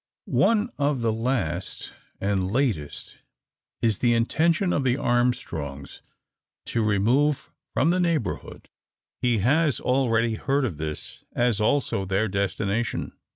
One of the last, and latest, is the intention of the Armstrongs to remove from the neighbourhood. He has already heard of this, as also their destination.